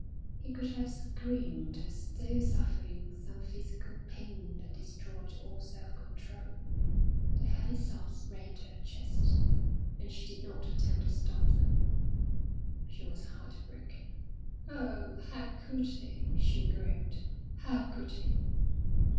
She could have screamed, as though suffering some physical pain that destroyed all self control. The heavy sobs rent her chest, and she did not attempt to stop them. She was heart broken. "Oh, how could he!" she groaned. "How could he!"